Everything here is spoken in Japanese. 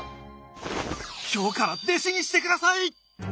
今日から弟子にしてください！